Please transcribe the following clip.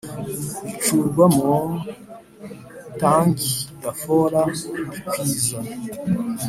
Bucurwamo tanki dafora ndikwiza